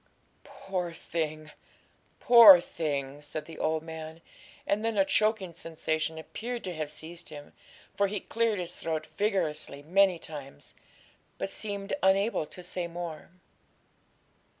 'Poor thing! poor thing!' said the old man; and then a choking sensation appeared to have seized him, for he cleared his throat vigorously many times, but seemed unable to say more.